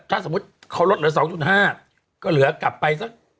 ถ้าสมมุติเขาลดเหลือ๒๕ก็เหลือกลับไปสัก